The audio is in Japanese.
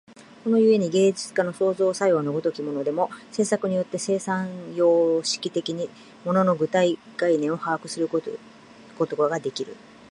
この故に芸術家の創造作用の如きものでも、制作によって生産様式的に物の具体概念を把握するということができる。